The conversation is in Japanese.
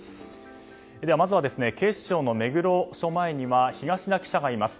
まずは警視庁の目黒署前には東田記者がいます。